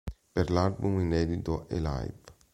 Per l'album inedito Alive!